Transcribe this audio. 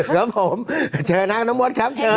ครับผมเชิญห้างน้องมดครับเชิญ